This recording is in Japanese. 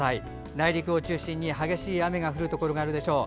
内陸を中心に激しい雨が降るところがあるでしょう。